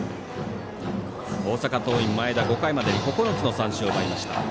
大阪桐蔭、前田、５回までに９つの三振を奪いました。